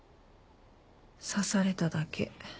刺されただけ。